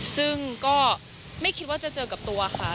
ซึ่งก็ไม่คิดว่าจะเจอกับตัวค่ะ